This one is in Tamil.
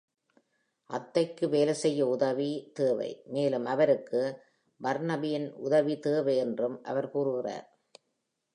அத்தைக்கு வேலை செய்ய உதவி தேவை, மேலும் அவருக்கு பர்னபியின் உதவி தேவை என்றும் அவர் கூறுகிறார்.